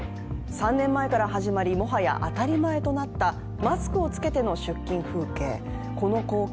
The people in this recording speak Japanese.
３年前から始まり、もはや当たり前となったマスクを着けての出勤風景。